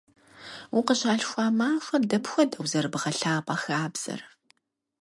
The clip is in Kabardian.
Укъыщалъхуа махуэр дапхуэдэу зэрыбгъэлъапӏэ хабзэр?